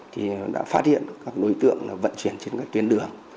thì đã phát hiện các đối tượng vận chuyển trên các tuyến đường